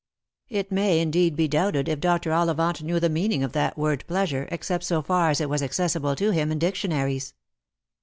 It may indeed be doubted if Dr. Ollivant knew the meaning of that word " pleasure," except so far as it was accessible to him in dictionaries.